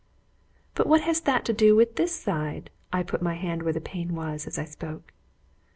"But what has that to do with this side?" I put my hand where the pain was, as I spoke.